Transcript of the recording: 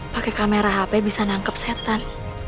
pakai kamera hp bisa nangkep setan